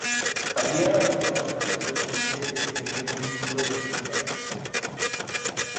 Había alojado anteriormente el Primer Ministro de Libia.